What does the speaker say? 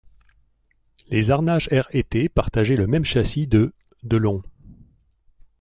Les Arnage R et T partageaient le même châssis de de long.